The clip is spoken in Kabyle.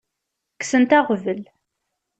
Kksent aɣbel.